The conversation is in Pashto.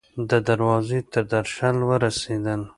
د دروازې تر درشل ورسیدل